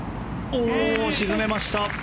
沈めました！